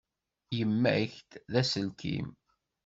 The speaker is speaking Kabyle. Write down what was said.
Yemma-k d aselkim.